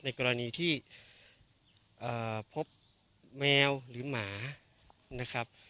กรณีที่พบแมวหรือหมานะครับ